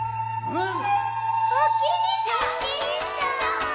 うん！